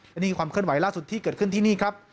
และนี่คือความเคลื่อนไหวล่าสุดที่เกิดขึ้นที่นี่ครับ